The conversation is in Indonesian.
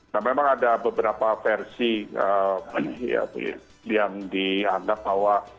nah memang ada beberapa versi yang dianggap bahwa